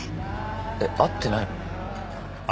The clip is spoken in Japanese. えっ会ってないの？